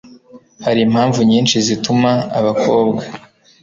hari impamvu nyinshi zituma abakobwa